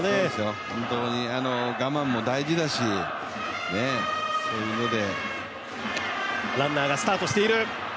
本当に我慢も大事だしそういう意味で。